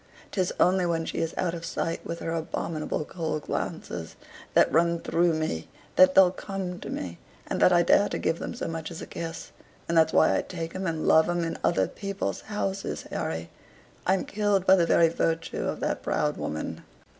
'Tis only when she is out of sight with her abominable cold glances, that run through me, that they'll come to me, and that I dare to give them so much as a kiss; and that's why I take 'em and love 'em in other people's houses, Harry. I'm killed by the very virtue of that proud woman.